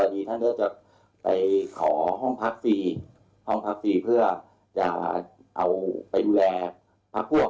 เพราะว่ารักษณะพลวธิตประกอบการ